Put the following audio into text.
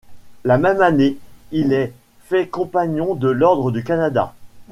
La même année, il est fait Compagnon de l'Ordre du Canada.